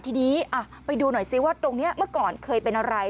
ทีนี้ไปดูหน่อยซิว่าตรงนี้เมื่อก่อนเคยเป็นอะไร